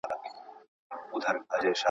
ملکیار د بیلتون له امله په ویر کې ژاړي.